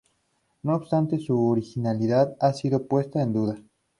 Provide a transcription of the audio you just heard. No obstante, su originalidad ha sido puesta en duda.